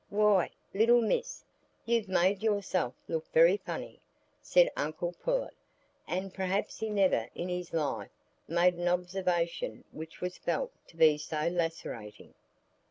"Why, little miss, you've made yourself look very funny," said Uncle Pullet, and perhaps he never in his life made an observation which was felt to be so lacerating.